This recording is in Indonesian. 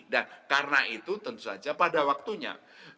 dan karena itu tentu saja pada waktunya